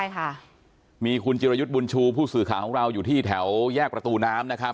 ใช่ค่ะมีคุณจิรยุทธ์บุญชูผู้สื่อข่าวของเราอยู่ที่แถวแยกประตูน้ำนะครับ